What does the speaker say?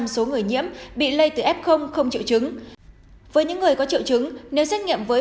một mươi số người nhiễm bị lây từ f không triệu chứng với những người có triệu chứng nếu xét nghiệm với